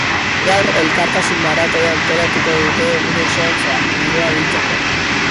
Gaur, elkartasun maratoia antolatuko dute egun osoan zehar, dirua biltzeko.